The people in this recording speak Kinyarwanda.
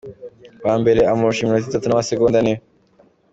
Uwa mbere amurusha iminota itatu n’amasegonda ane.